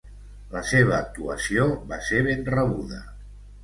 La seva actuació va ser ben rebuda.